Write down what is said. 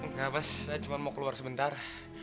enggak mas saya cuma mau keluar sebentar